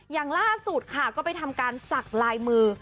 อย่างล่าสุดค่ะก็ไปทำการสักลายมือ